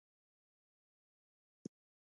د ننګرهار کانالونه مشهور دي.